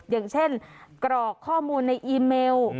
อย่างเช่นกรอกข้อมูลในอีเมล